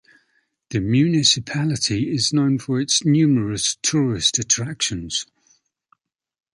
The municipality is known for its numerous tourist attractions.